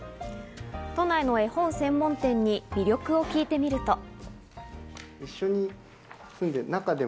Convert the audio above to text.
都内の絵本専門店に魅力を聞いてみると。